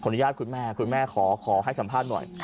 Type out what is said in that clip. อนุญาตคุณแม่คุณแม่ขอให้สัมภาษณ์หน่อย